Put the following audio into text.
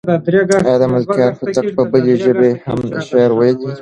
آیا ملکیار هوتک په بلې ژبې هم شعر ویلی دی؟